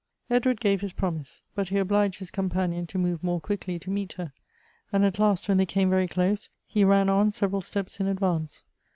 Edward gave his promise ; but he obliged his companion to move more quickly to meet her ; and at last, when they came very close, he ran on several steps in advance.